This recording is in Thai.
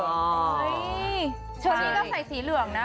โอ้ยชนิดนี้ก็ใส่สีเหลืองนะ